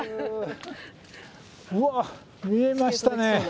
うわっ見えましたね！